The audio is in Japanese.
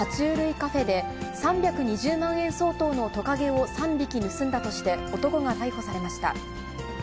カフェで３２０万円相当のトカゲを３匹盗んだとして、男が逮捕されました。